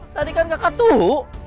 tadi kan kakak tuh